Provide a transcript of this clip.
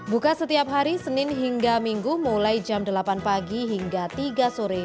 buka setiap hari senin hingga minggu mulai jam delapan pagi hingga tiga sore